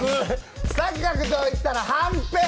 三角といったらはんぺん。